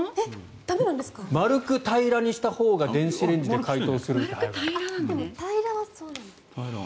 丸く平らにしたほうが電子レンジで解凍する時間が速まる。